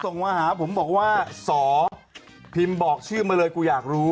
ส่งมาหาผมบอกว่าสอพิมพ์บอกชื่อมาเลยกูอยากรู้